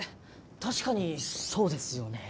確かにそうですよね。